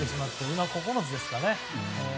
今、９つですかね。